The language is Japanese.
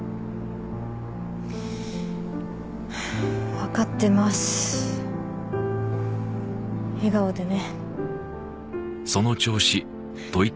わかってます笑顔でね